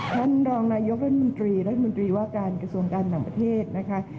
ท่านรองนายกรัฐมนตรีรัฐมนตรีว่าการกระทรวงการต่างประเทศนะคะ